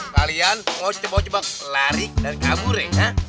kalian mau coba coba lari dan kabur ya